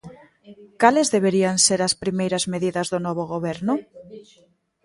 Cales deberían ser as primeiras medidas do novo Goberno?